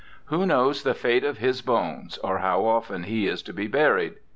'Who knows the fate of his bones or how often he is to be buried?'